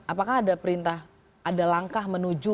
apakah ada ringkah